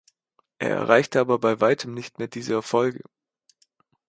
Er erreichte aber bei weitem nicht mehr diese Erfolge.